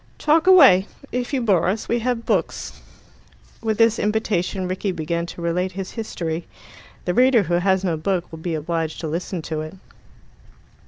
"Talk away. If you bore us, we have books." With this invitation Rickie began to relate his history. The reader who has no book will be obliged to listen to it.